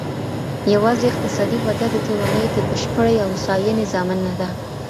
يواځې اقتصادي وده د ټولني د بشپړې هوسايني ضامن نه ده.